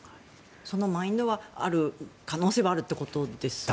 そのマインドはある可能性はあるってことですか。